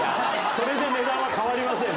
それで値段は変わりませんよ